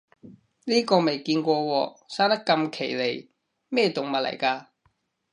呢個未見過喎，生得咁奇離，咩動物嚟㗎